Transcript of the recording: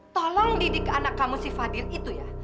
tolong didik anak kamu si fadil itu ya